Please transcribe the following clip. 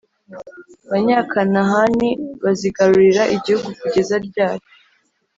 Banyakanahani bazigarurira igihugu kugeza ryari